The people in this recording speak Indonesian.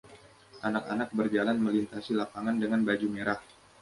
anak-anak berjalan melintasi lapangan dengan baju merah.